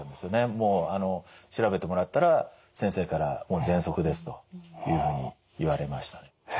もうあの調べてもらったら先生からぜんそくですというふうに言われましたね。